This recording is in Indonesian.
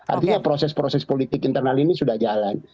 artinya proses proses politik internal ini sudah jalan